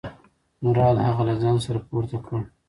مراد هغه له ځانه سره پورته کړ.